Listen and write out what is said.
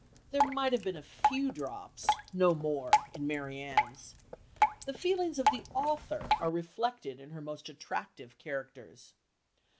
There might have been a few drops no more in Marianne's. The feelings of the author are reflected in her most attractive characters.